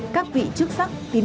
các vị chức sắc tín đổ công giáo